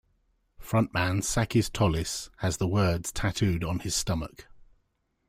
Frontman Sakis Tolis has the words tattooed on his stomach.